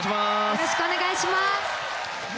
よろしくお願いします。